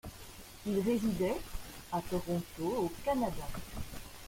Il résidait à Toronto au Canada.